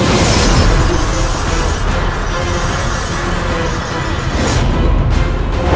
kau tetap menunggu